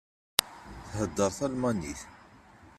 Theddeṛ talmanit.